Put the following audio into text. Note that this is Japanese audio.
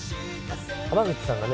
濱口さんがね。